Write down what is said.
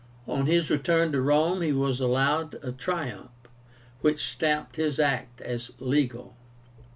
On his return to Rome he was allowed a triumph, which stamped his act as legal.